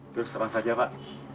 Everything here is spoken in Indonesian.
itu sekarang saja pak